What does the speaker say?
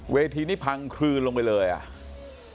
เวทีนี้พังคลืนลงไปเลยอ่ะ